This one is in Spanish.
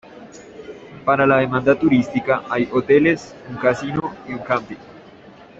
Para la demanda turística hay hoteles, un casino y un camping.